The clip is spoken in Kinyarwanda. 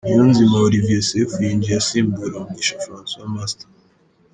Niyonzima Olivier Sefu yinjiye asimbura Mugisha Francois Master